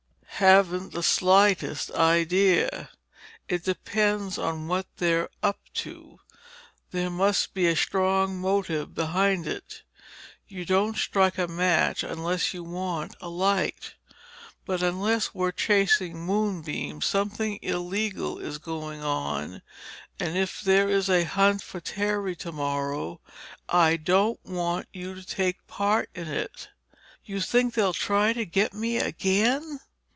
"Haven't the slightest idea. It depends on what they're up to. There must be a strong motive behind it. You don't strike a match unless you want a light. But unless we're chasing moonbeams, something illegal is going on and if there is a hunt for Terry tomorrow, I don't want you to take part in it." "You think they'll try to get me again?"